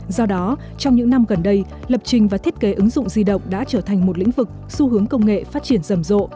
do đó trong những năm gần đây lập trình và thiết kế ứng dụng di động đã trở thành một lĩnh vực xu hướng công nghệ phát triển rầm rộ